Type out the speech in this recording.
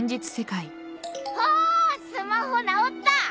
おースマホ直った！